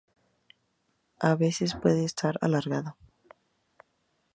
A veces puede estar alargado.